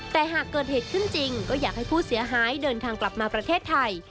แต่หากเกิดเหตุขึ้นจริงก็อยากให้ผู้เสียหายเดินทางกลับมาประเทศไทย